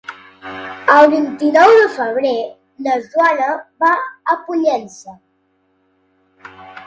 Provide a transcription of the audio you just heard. El vint-i-nou de febrer na Joana va a Pollença.